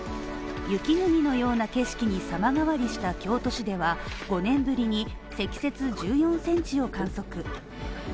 雪国のような景色に様変わりした京都市では５年ぶりに積雪１４センチを観測。